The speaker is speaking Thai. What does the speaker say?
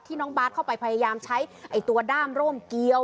น้องบาทเข้าไปพยายามใช้ตัวด้ามร่มเกียว